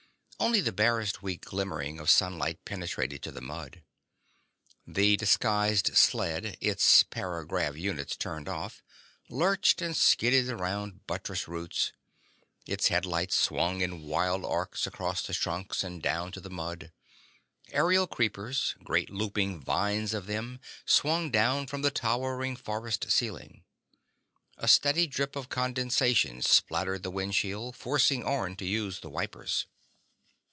Only the barest weak glimmering of sunlight penetrated to the mud. The disguised sled—its para grav units turned off—lurched and skidded around buttress roots. Its headlights swung in wild arcs across the trunks and down to the mud. Aerial creepers—great looping vines of them—swung down from the towering forest ceiling. A steady drip of condensation spattered the windshield, forcing Orne to use the wipers.